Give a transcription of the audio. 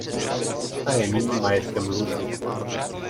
Ta je nyní majetkem Louvru.